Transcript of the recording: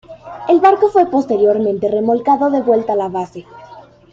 El barco fue posteriormente remolcado de vuelta a la base.